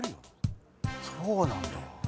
そうなんだ。